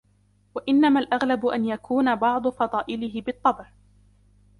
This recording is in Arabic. وَإِنَّمَا الْأَغْلَبُ أَنْ يَكُونَ بَعْضُ فَضَائِلِهِ بِالطَّبْعِ